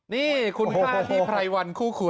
นี่คุณฆ่าพี่ไพรวรรณคู่ควิว